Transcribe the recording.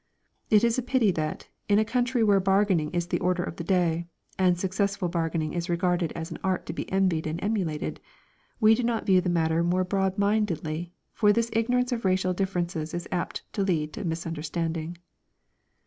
It is a pity that, in a country where bargaining is the order of the day, and successful bargaining is regarded as an art to be envied and emulated, we do not view the matter more broadmindedly, for this ignorance of racial differences is apt to lead to misunderstanding.